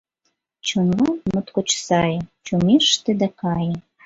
Чонлан моткоч сае Чоҥеште да кае.